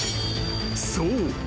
［そう。